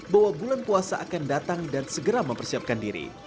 bahwa bulan puasa akan datang dan segera mempersiapkan diri